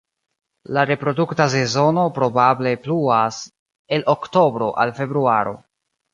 La reprodukta sezono probable pluas el oktobro al februaro.